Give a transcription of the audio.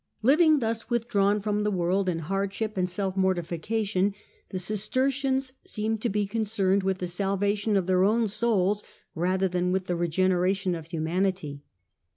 Living thus, withdrawn from the world, in hardship and self mortification, the Cistercians seemed to be con cerned with the salvation of their own souls rather than with the regeneration of humanity.